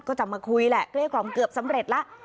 ก็จะมาคุยแหละเกลี้กล่อมเกือบสำเร็จแล้ว